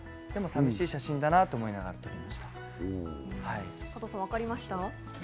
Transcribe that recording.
でも寂しい写真だなぁと思って撮りました。